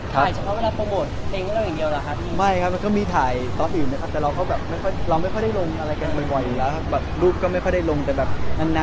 ทำไมจะไม่ลงเป็นเมฆสองคน